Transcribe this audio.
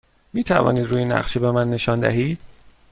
می توانید روی نقشه به من نشان دهید؟